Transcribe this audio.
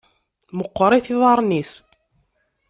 Meqqṛit iḍaṛṛen-is.